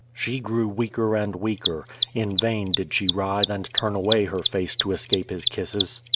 She grew weaker and weaker. In vain did she writhe and turn away her face to esca]>e his kisses.